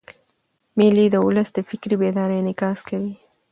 مېلې د اولس د فکري بیدارۍ انعکاس کوي.